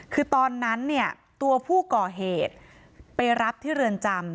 คือตอนนั้นเนี่ยตัวผู้ก่อเหตุไปรับที่เรือนจำ